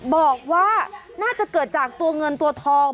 บอกว่าน่าจะเกิดจากตัวเงินตัวทอง